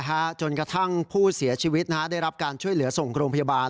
จนกระทั่งผู้เสียชีวิตนะฮะได้รับการช่วยเหลือส่งโรงพยาบาล